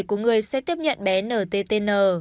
của người sẽ tiếp nhận bé nttn